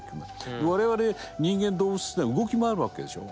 我々人間動物ってのは動き回るわけでしょう。